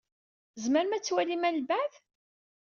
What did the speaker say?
Tzemrem ad twalim ɣer lbeɛd?